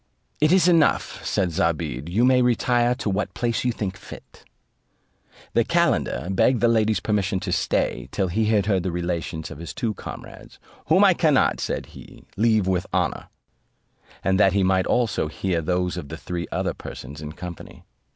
"It is enough," said Zobeide; "you may retire to what place you think fit." The calender begged the ladies' permission to stay till he had heard the relations of his two comrades, "Whom I cannot," said he, "leave with honour;" and that he might also hear those of the three other persons in company.